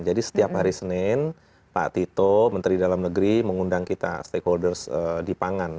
jadi setiap hari senin pak tito menteri dalam negeri mengundang kita stakeholders di pangan